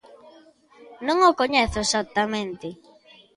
Non o coñezo exactamente.